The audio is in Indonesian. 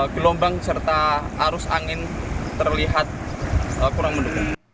gelombang serta arus angin terlihat kurang mendukung